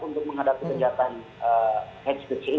untuk menghadapi kebencian